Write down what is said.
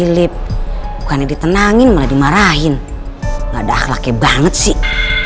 filip bukannya ditenangin malah dimarahin ada akhlaknya banget sih